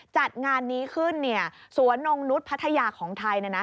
จัดงานนี้ขึ้นสวนองค์นุฏภัทยาของไทย